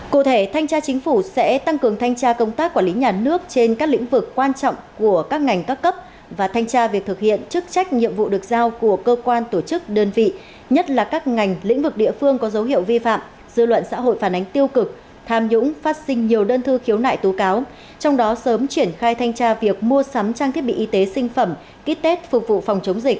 cụ thể thanh tra chính phủ sẽ tăng cường thanh tra công tác quản lý nhà nước trên các lĩnh vực quan trọng của các ngành các cấp và thanh tra việc thực hiện chức trách nhiệm vụ được giao của cơ quan tổ chức đơn vị nhất là các ngành lĩnh vực địa phương có dấu hiệu vi phạm dư luận xã hội phản ánh tiêu cực tham nhũng phát sinh nhiều đơn thư khiếu nại tú cáo trong đó sớm triển khai thanh tra việc mua sắm trang thiết bị y tế sinh phẩm kết tết phục vụ phòng chống dịch